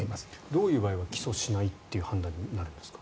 どういう場合は起訴しないという判断になるんですか。